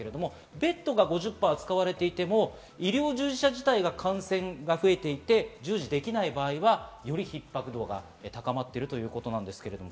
ベッドが５０％使われていても医療従事者自体が感染が増えていて従事できない場合は、よりひっ迫度が高まっているということです。